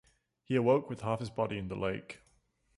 He awoke with half his body in the lake.